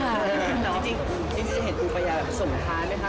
แต่ว่าที่นี่จะเห็นกูไปอย่างสมท้ายไหมคะ